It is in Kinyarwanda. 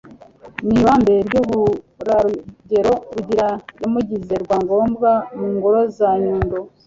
Ni ibambe ry' imburarugero, Rugira yamugize rwangombwa mu ngoro za Nyundo.